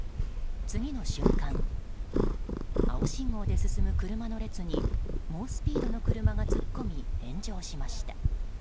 次の瞬間、青信号で進む車の列に猛スピードの車が突っ込み炎上しました。